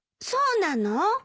そうなの？